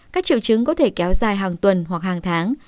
các triệu chứng có thể kéo dài hàng tuần hoặc hàng tháng